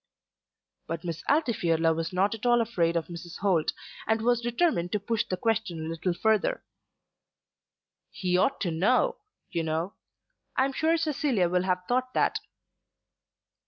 But Miss Altifiorla was not at all afraid of Mrs. Holt, and was determined to push the question a little further. "He ought to know, you know. I am sure Cecilia will have thought that."